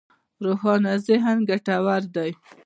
روښانه ذهن ګټور دی.